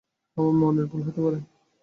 আমার মনের ভুল হতে পারে।